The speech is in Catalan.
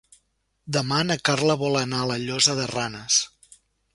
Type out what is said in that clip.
Demà na Carla vol anar a la Llosa de Ranes.